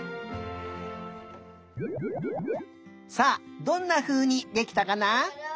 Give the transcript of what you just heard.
さあどんなふうにできたかな？